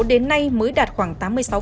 đến nay mới đạt khoảng tám mươi sáu